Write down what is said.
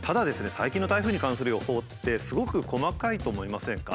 最近の台風に関する予報ってすごく細かいと思いませんか？